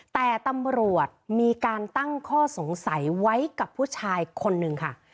แต่ตำรวจมีการตั้งข้อสงสัยไว้กับผู้ชายคนนึงค่ะ